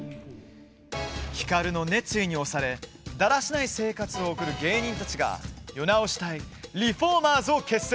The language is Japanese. ヒカルの熱意に押されだらしない生活を送る芸人たちが世直し隊リフォーマーズを結成。